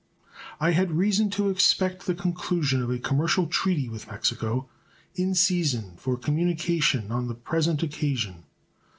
I had reason to expect the conclusion of a commercial treaty with Mexico in season for communication on the present occasion.